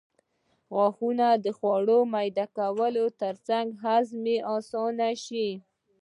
غاښونه خواړه میده کوي ترڅو هضم یې اسانه شي